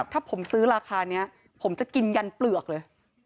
ถ้าผมซื้อราคานี้ผมจะกินยันเปลือกเลย